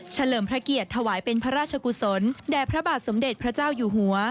เลิมพระเกียรติถวายเป็นพระราชกุศลแด่พระบาทสมเด็จพระเจ้าอยู่หัว